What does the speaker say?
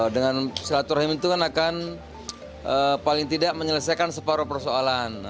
dengan silaturahim itu kan akan paling tidak menyelesaikan separuh persoalan